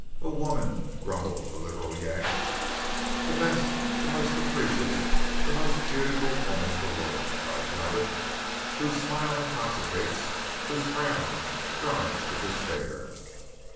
"A woman!" grumbled the literal Yank. "The best, the most capricious, the most beautiful woman in the world," cried Talbot, "whose smile intoxicates, whose frown drives to despair."